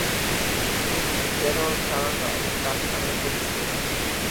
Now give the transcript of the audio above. তিনি ‘terror Turner’ ডাকনামে পরিচিতি পান।